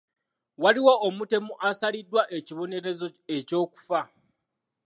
Waliwo omutemu asaliddwa ekibonerezo eky'okufa.